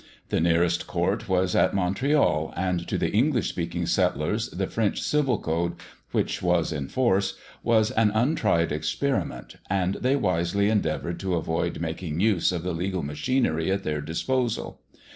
The nearest court was at Montreal, and to the English speaking settlers the French civil code, which was in force, was an untried experiment, and they wisely endeavoured to avoid making use of the legal machinery at their disposal.